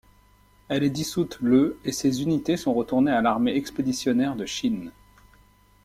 Elle est dissoute le et ses unités sont retournées à l'armée expéditionnaire de Chine.